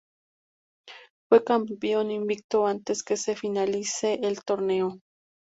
Fue campeón invicto antes que se finalice el torneo.